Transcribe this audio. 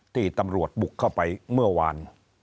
ที่ตำรวจบุกเข้าไปเมื่อวาน